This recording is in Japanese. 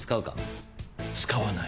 使わない。